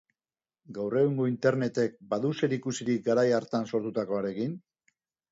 Gaur egungo internetek badu zerikusirik garai hartan sortutakoarekin?